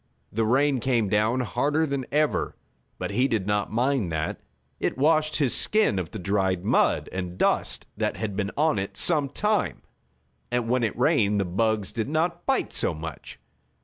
The rain came down harder than ever, but he did not mind that. It washed his skin of the dried mud and dust that had been on it some time, and when it rained the bugs did not bite so much.